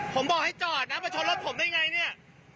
ผมบอกให้จอดนะมาชนรถผมได้ไงเนี่ย